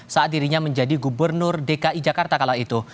saat dirinya menjadi gubernur dki jakarta kala itu